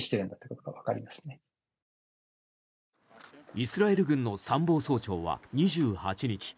イスラエル軍の参謀総長は２８日